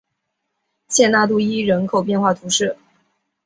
谢讷杜伊人口变化图示